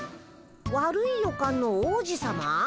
悪い予感の王子さま？